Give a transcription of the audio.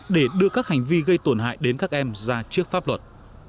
để đưa các hành vi gây tổn hại đến các em ra trước pháp luật